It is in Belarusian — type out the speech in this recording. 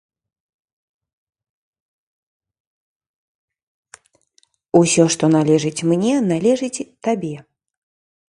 Усё, што належыць мне, належыць табе.